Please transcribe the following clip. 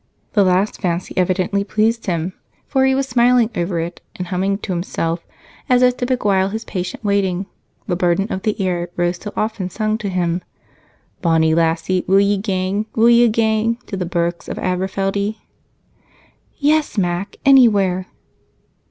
The last fancy evidently pleased him, for he was smiling over it, and humming to himself as if to beguile his patient waiting, the burden of the air Rose had so often sung to him: "Bonny lassie, will ye gang, will ye gang To the birks of Aberfeldie?" "Yes, Mac, anywhere!"